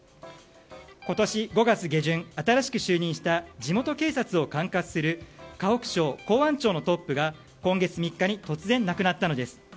今年５月下旬、新しく就任した地元警察を管轄する河北省公安庁のトップが今月３日に突然亡くなったのです。